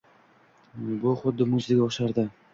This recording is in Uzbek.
Bu xuddi mo‘’jizaga o‘xshardi.